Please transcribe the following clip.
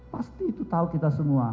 pasti itu tahu kita semua